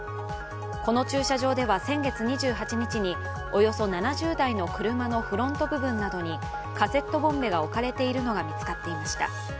この駐車場では先月２８日におよそ７０台の車のフロント部分などにカセットボンベが置かれているのが見つかりました。